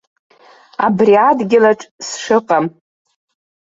Абри адгьылаҿ сшыҟам.